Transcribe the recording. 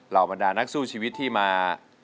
บรรดานักสู้ชีวิตที่มา